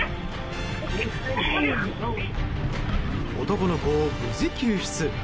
男の子を無事、救出。